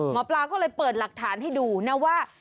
หมอปลาก็เลยเปิดหลักฐานให้ดูนะว่า